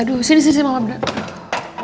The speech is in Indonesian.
aduh sini sini mama bener